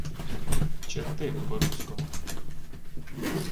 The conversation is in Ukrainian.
— Черти по-руському.